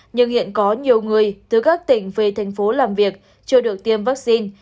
nhưng hiện có nhiều người từ các tỉnh về tp hcm làm việc chưa được tiêm vaccine